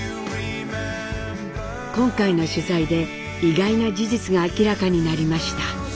今回の取材で意外な事実が明らかになりました。